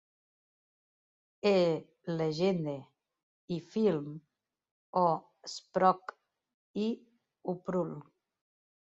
«e-Legende», «i-Film», «o-Sprook» i «u-Prul».